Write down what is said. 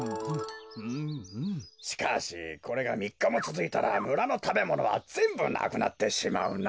しかしこれがみっかもつづいたらむらのたべものはぜんぶなくなってしまうな。